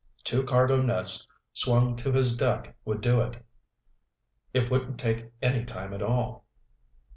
Two cargo nets swung to his deck would do it. It wouldn't take any time at all."